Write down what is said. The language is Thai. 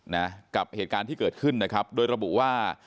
นะกับเหตุการณ์ที่เกิดขึ้นนะครับโดยระบุว่า